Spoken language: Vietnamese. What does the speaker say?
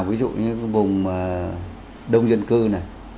ví dụ như vùng đông dân cư này